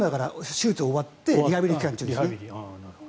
手術が終わってリハビリ期間中です。